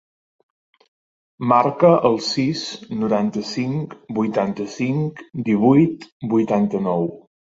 Marca el sis, noranta-cinc, vuitanta-cinc, divuit, vuitanta-nou.